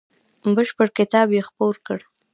بشپړ کتاب یې خپور کړ.